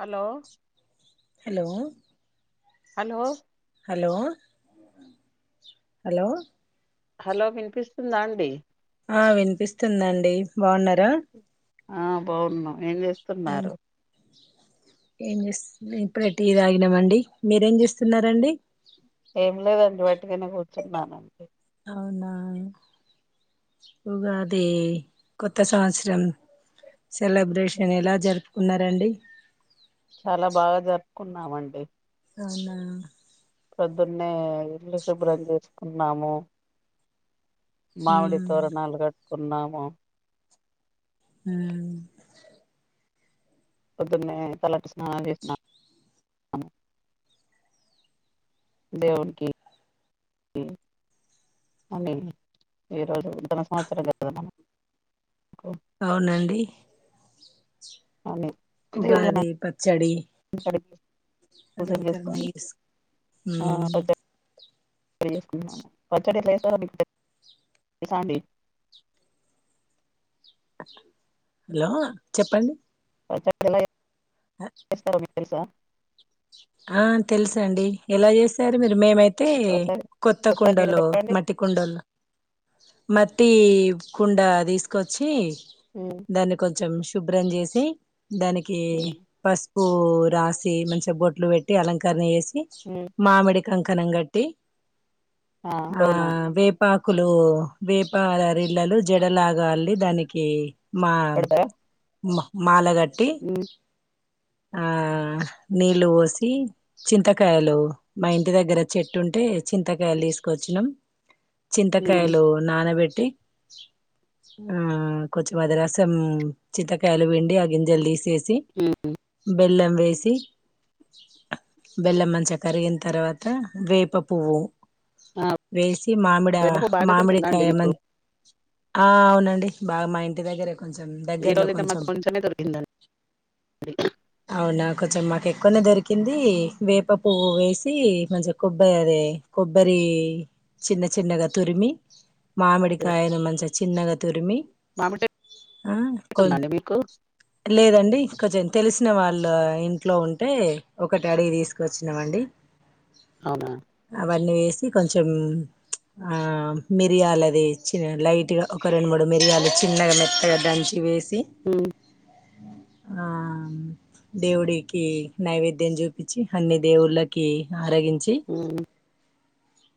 Hello hello hello hello hello hello వినిపిస్తుందా అండి ఆ వినిపిస్తుందండి బాగున్నరా ఆ బావున్నాం ఏం ఏం చేస్తున్నారు ఏం చేస్ ఇప్పుడే టీ తాగినమండి మీరేం చేస్తున్నరండి టిగనే కూర్చున్నానండి అవునా ఉగాది కొత్త సంవత్సరం సెలబ్రేషన్ ఎలా జరుపుకున్నారండి కున్నామండి అవునా పొద్దున్నే ఇల్లు శుభ్రం చేసుకున్నాము మామిడి ఉమ్ తోరణాలు కట్టుకున్నాము ఉ పొద్దున్నే తలంటి స్నానం చేసిన దవునికి అని ఈ రోజు నూతన సంవత్సరం కదా అవునండి అని దేవుళ్ళని ఉగాది పచ్చడి కడిగి పూజలు అలంకరణ చేసుకొని చేసు ఆ ఉమ్ పచ్చ చేసుకున్నాం పచ్చడి ఎట్ల చేస్తారో మిక్ తెలుసాండి హలో చెప్పండి పచ్చడి ఎలా ఆ చేస్తారో మిక్ తెలుసా ఆ తెలుసండి ఎలా చేస్తారు మీరు మేమైత్ తే ఒకసారి కొత్త ఒకసారి మీరు కుండలు చెప్పండి మట్టి కుండలు మట్టి కుండ తీసుకొచ్చి ఉమ్ దాన్ని కొంచెం శుభ్రం చేసి దానికి ఉమ్ పసుపు ఓ రాసి మంచిగా బాట్లు పెట్టి అలంకరనా చేసి ఉమ్ మామిడి కంకణం గట్టి ఆ వేపా కులు వేపార రళ్లలు జడలాగాలి దానికి మా పెడతారా మాలగట్టి ఉమ్ ఆ నీళ్లు పోసి చింతకాయలు మా ఇంటి దగ్గర చెట్టు ఉంటే చింతకాయలు తీసుకొచ్చినం ఉమ్ చింతకాయలు నానబెట్టి ఆ కొంచిమదరసం చింతకాయలు పిండి ఆ గింజలు తీసేసి ఉమ్ బెల్లం వేసి బెల్లం మంచిగా కరిగిన తర్వాత వేప పువ్వు ఆ వేసి మామిడ వేప పువ్వు బాగానే దొరికిందా అండి మామిడికాయమ మీకు ఆ అవునండి బాగా మా ఇంటిదగ్గర కొంచెం ఈ దగ్గరలో రోజైతే కొంచెం మాకు కొంచెమే దొరికిందండి అవునా కొంచెం పన్న దొరికింది వేప పువ్వు వేసి మంచిగా కొబ్బరి అదే కొబ్బరి చిన్న చిన్నగా తురిమి మామిడికాయల్ను మంచిగ చిన్నగా తురిమి మామిడి ఆ చెట్టు కొ ఉందండి మీకు లేదండి కొంచెం తెలుస్ సిన వాళ్ళ ఇంట్లో ఉంటే ఒకటడిగి తీస్ కొచ్చినమండి అవునా అవన్నీ వేసి కొంచెం ఆ మిరియాలదీ చిన్న లైట్ గా ఒక రెండు మూడు మిరియాలు చిన్నగా మెత్తగా దంచి వేసి ఊ ఆ దేవుడికీ నైవేద్యం చూపిచ్చి అన్ని దేవుళ్ళకీ ఆరగించి ఉమ్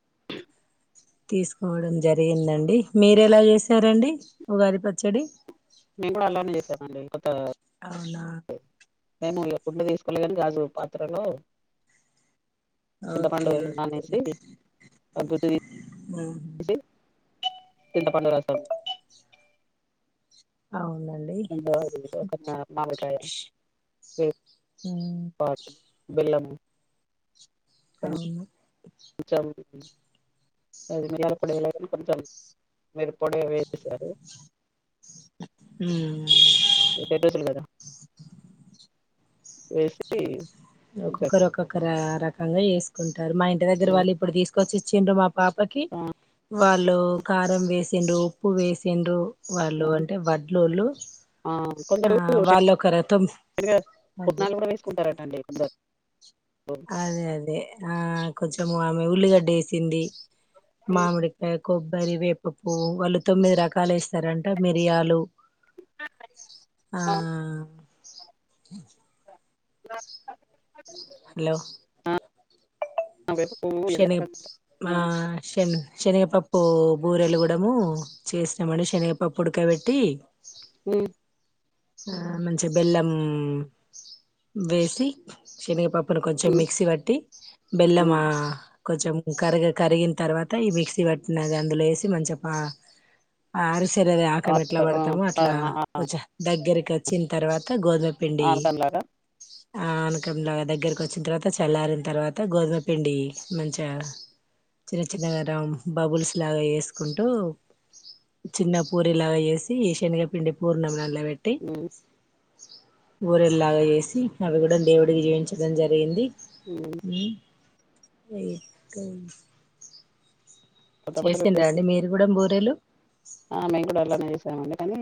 [inaudible] తీస్కోవడం జరిగిందండి మీరెలా చేసారండి ఉగాది పచ్చడి మేము అలానె చేసామండి కొత్తా అవునా నేను ఇ గుడ్ తీసుకోలేదని గాజు పాత్రలో ఓకే చింతపండూ నానేసీ ఆ గుజ్జు తీస్ హ్మ్మ్ చింతపండు రసం అవున ఇందులో కుదిర్తే ఒక మామిడికాయని వేసి ఉమ్, పాల్ బెల్లము అవును ఇచ్ఛాంతి [inaudible] అది మిరియాల పొడిలో గాని కొంచెం మిరుప్పొడి వేసేశారు హ్మ్ వేసీ ఒక్కొక్కరు ఒక్కొక్క రా రకంగా ఏస్కుంటారు మా ఇంటి దగ్గర వాళ్ళు ఇప్పుడు తీస్కొచ్చి చ్చిండ్రు మా పాపకి ఆ వాళ్ళు కారం వేసిండ్రూ ఉప్పు వేసిండ్రూ ఆ వాళ్ళు అంటె వడ్లొళ్ళు ఆ కొందరు అది పుట్నాలు కూడ వేసుకుంటారటండి కొందరు అదే అదే ఆ కొంచెము ఆమె ఉల్లిగడ్డ ఏసింది మామిడికాయ్ కొబ్బరి వేప పువ్వు వాళ్ళు తొమ్మిది రకాలు వేసారంట మిరియాలు ఆ [inaudible] హలో ఆ వేప పువ్వు శని మా శని శనగపప్పూ బూరెలుగుడమూ చేసినామడి శనగపప్పు ఉడకబెట్టీ ఊ ఆ మంచి బెల్లం వేసి శనిగపప్ ప్పుడు కొంచెం మిక్సీ వట్టి బెల్లమా కొంచెం కరగె కరిగిన్ తర్వాత ఈ మిక్సీ పట్నది అందులో వేసి మంచిగ పా ఆరు శరదె ఆకం ఎట్ల పడతమో అట్లా వచ్చ దగ్గరికొచ్చిన్ తర్వాత గోధుంపిండి ఆనకం లాగా ఆనకంలా దగ్గరకొచ్చిన్ తర్వాత చల్లారిన్ తర్వాత గోధుమ పిండి మంచా చిన్న చిన్నగా రాం బబుల్స్ లాగ ఏస్కుంటూ చిన్న పూరి లాగ ఏసి శనగపిండి పూర్ణం దాంట్లో పెట్టి బూరెల్లాగ ఏసి అవి కూడ దేవుడికి ఏంచడం జరిగింది ఉమ్మ్మ్ ఎటు కొత్త బట్టలు చేసిండ వేసుకు అండి మీరు కూడ బూరెలు అందుకనీ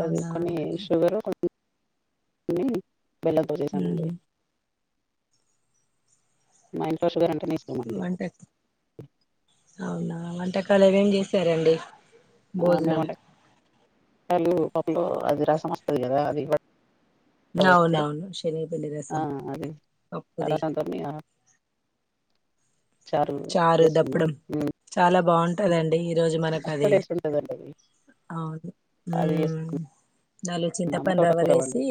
అది అవునా కొన్ని షుగర్ కొన్ని కొన్ని బెల్లంతొ చేశానండి మా ఇంట్లో షుగర్ అండ్ వంటలు, అవునా వంటకాలు ఏవేం చేశారండి ఆ భోజనం మేమంటే పళు పప్పులు అది రసం వస్తది కదా వస్తే నవునవును శనగా పిండి ఆ రసం అది ఆ పప్పుది, రసంతోని ఆ చారు, చేసుకున్నాం దప్పడం హ్మ్. చాలా బాగుంటదండి ఈ రోజు మనకు మస్తు అది టేస్ట్ ఉంటదండి అది అవును, అది హమ్ చేసుకున్నాము నాలుగు చింతపండు తోటకూర రవ్వలు వండి ఏసి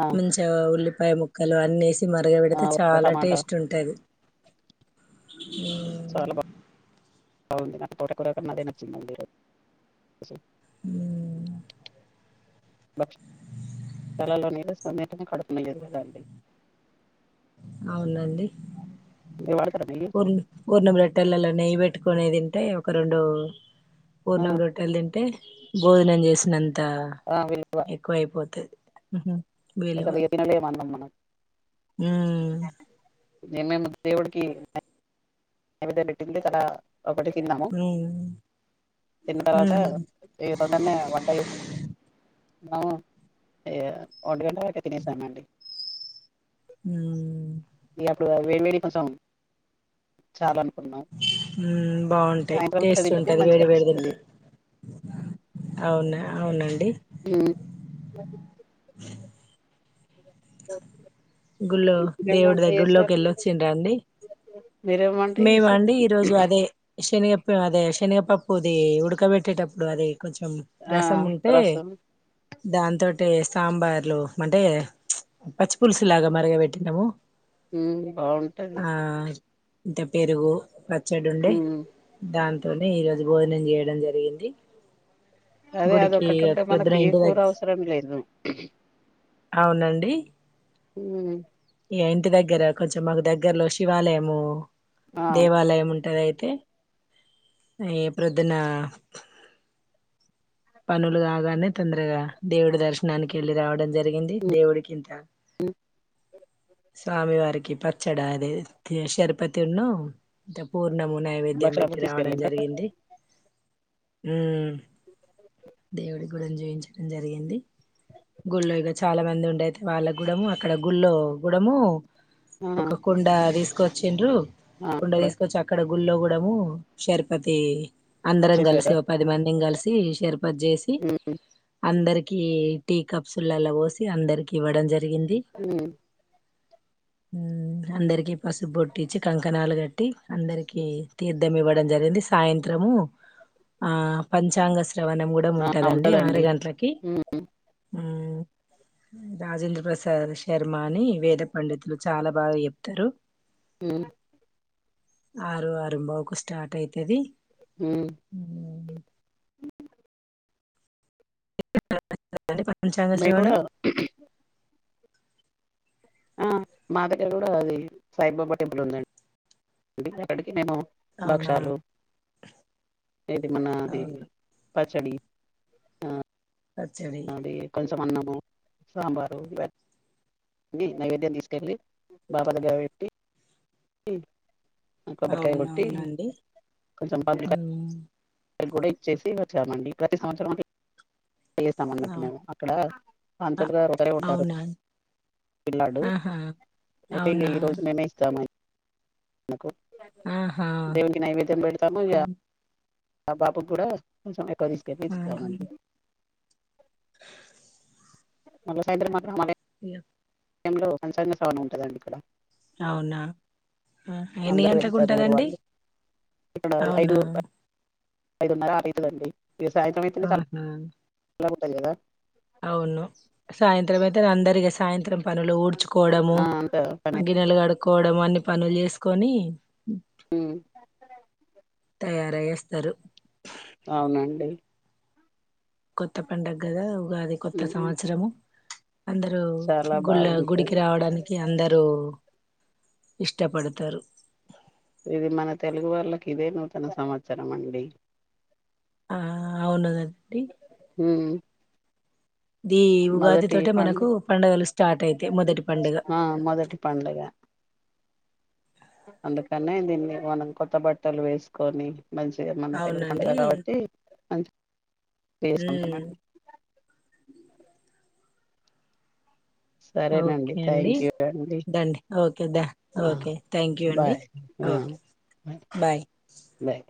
ఆ మంచిగా ఉల్లిపాయ ముక్కలు అన్నేసి మరగ ఆ పెడితే ఒక్క చాలా టమాటా టేస్ట్ ఉంటది. చాలా బాగా బాగుంది, నాకు తోటా కూర కన్నా అదే నచ్చిందండి ఈ రోజు ఉమ్ బ [unintelligible] తలల మీద స్వమెతంగ కడుపున ఎరుగద అండి అవునండి, మీరు వాడతారా నెయ్యి పూర్ణ్ పూర్ణం రొట్టెలలో నెయ్యి పెట్ పెట్టుకునే తింటే ఒక రెండు ఆ పూర్ణం రొట్టెలు తింటే భోజనం చేసినంత ఆ విలువ అంత ఎక్కువ అయిపోతది. విలువ ఇగ తినలేము అన్నం మనం ఉమ్ మేమ్ దేవుడికి నైవేద్యం పెట్టింది చాలా మ్ తిన్న తర్వాత ఎవర్నైనా వంట చేస్త ఆహ ఒంటిగంట వరకే తినేసానండి. మ్ ఉన్నపుడు వేడి వేడి కొంచెం చాలు అనుకున్నాం మ్ బాగుంటాయి సాయంత్రం పూట టేస్ట్ తింటేనే ఉంటుది మంచిగా వేడి వేడి అనిపిస్తది తింటే అవునా అవునండి. ఉమ్ ఒ [unintelligible] గుళ్ళో, దేవుడి దగ్గర గుడిలోకి వెళ్ళొచ్చిండ్రా అండి. మీరేం వంట మేము చేసారు అండి ఈరోజు అదే శనిగప్ అదే శెనగపప్పు అది ఉడకబెట్టేటప్పుడు అది కొంచెం ఆ రసం ఉంటే రసం దాంతోటి సాంబార్లు అంటే పచ్చిపులుసు లాగా మరగపెట్టినము ఉమ్ బాగుంటది ఇంత పెరుగు, పచ్చడి ఉండే ఉమ్, దాంతో తోనే ఇగది భోజనం చేయడం జరిగింది. అదే గుడికి అదొకటి ఉంటే ప్రొద్దున మనకి ఏ ఇంటి కూర దగ్ అవసరం లేదు. అవునండి మ్ ఇగ ఇంటి దగ్గర కొంచెం మాక్ దగ్గర్లో శివాలయము ఆ దేవాలయం ఉంటది అయి తే ఈ ప్రొద్దున్న పనులు కాగానే తొందర్గా దేవుడి దర్శనానికి ఎళ్ళి రావడం జరిగింది, దేవుడికింత అ [inaudible] స్వామి వారికి పచ్చడా అదే షర్బత్ ఉన్ను పూర్ నమూ నైవేద్యం పెట్టి భక్షాలు రావడం తీసుకెళ్ళిండ్రా జరిగింది ఉమ్ దేవుడి కూడా జూయించడం జరిగింది. గుడ్లో ఇగ చాలా మంది ఉండే అయితే వాళ్ళ గుడము అక్కడ గుడ్లో గుడము ఆ, ఒక కుండ తీస్కొచ్చిండ్రు ఆ, కుండ అక్కడ తీస్కొచ్చి అక్కడ గుడ్లో గుడము షర్బతీ అందరం కలిసి చేసారా ఓ పది మందిని కలిసి షర్ప షర్బత్ చేసి అందర్కి టీ కప్స్లలా పోసి అందర్కి ఇవ్వడం జర్ రిగింది. అందరికి పసుపు బొట్టిచ్చి కంకణాలు కట్టి అందర్కి తీర్థం ఇవ్వడం జరిగింది. సాయంత్రము ఆ పంచాంగ శ్రీ వణం గుడా ఉంటదండి ఆరు గంటలకి ఉమ్, రాజేంద్ర ప్రసాద్ శర్మ అని వేద పండితులు చాలా బాగా చెప్తరు. మ్ ఆరు అరుంబవుకు స్టార్ట్ అయితది. హ్ అ [unintelligible] పంచాంగ మేము శ్రవణం కూడా ఆ మా దగ్గర కూడా అది సాయిబాబా టెంపుల్ ఉందండి అక్కడికి మేము అవునా భక్షాలు ఏది మనా అది అవును పచ్చడి ఆ పచ్చడి అది కొంచం అన్నము సాంబారు ఇవన్ న్నీ నైవేద్యం తీస్కెళ్ళి బాబా దగ్గర పెట్టి కొబ్బరికాయ కొట్టి అవునవునండి కొంచెం మామిడ్ కాయ్ కూడా ఇచ్చేసి వచ్చామండి ప్రతి సంవత్సరం అంతే చేస్తాం అన్నట్టు అవును మేము అక్కడ పంతులు గారు ఒకరే ఉంటారు అవునా పిల్లాడు ఆహా అయితే ఇగ అవునా ఈ రోజు మేమే ఇస్తాము ఆమెకు ఆహా దేవునికి నైవేద్యం పెడ్తాము ఇగ అవును ఆ బాబుకి కూడా కొంచెం ఎక్కువ తీస్కెళ్లి ఆహా ఇస్తామండి మళ్ళ సాయంత్రం [unintelligible] ఇగ టైమ్లో పంచగా శశ్రావణం ఉంటదండి ఇక్కడ అవునా ఎన్ని అందరు గంటలకు వెళ్తారు ఊరు ఉంటదండి వాళ్ళు ఇక్కడ ఐదు అవునా ఐదున్నర అరైతదండి ఇగ సాయంత్రం అయితేనే ఆహా సళ్ళగుంటది కదా అవును సాయంత్రం అయితే అందరిగా సాయంత్రం పనులు ఊడ్చుకోవడము, ఆ అంత పని గిన్నెలు కడుక్కోవడం అన్ని పనుల్ చేస్కొని మ్ తయారయి వస్తారు అవునండి కొత్త పండగదా ఉగాది కొత్త ఉమ్ సంవత్సరము అందరూ చాలా గుళ్ళ గుడికి బాగుంటది రావడానికి అందరూ ఇష్టపడతరు ఇది మన తెలుగు వాళ్ళకి ఇదే నూతన సంవత్సరం అండి ఆ అవును అది హ్మ్ ది ఉగాది తోటే మనకు పండుగ పండుగలు స్టార్ట్ అయితాయ్ మొదటి పండుగ ఆ మొదటి పండుగ అందుకనే దీన్ని మనం కొత్త బట్టలు వేసుకొని మంచిగ మన తెలుగు అవునండి పండుగ కాబట్టి మంచి టె సొంత ఉమ్ మండి సరేనండి ఓకే అండి థ్యాంక్ యూ అండి దండి ఓకే దా అ ఓకే థ్యాంక్ యూ అండి bye hmm okay bye bye